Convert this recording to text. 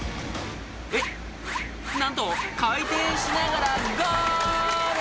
えっなんと回転しながらゴール！